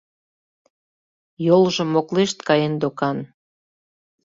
— Йолжо моклешт каен докан.